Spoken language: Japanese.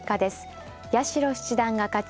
八代七段が勝ち